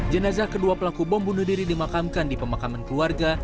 jenazah kedua pelaku bom bunuh diri dimakamkan di pemakaman keluarga